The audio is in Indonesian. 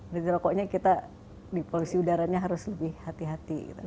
jadi rokoknya kita di polusi udaranya harus lebih hati hati